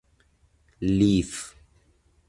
لیف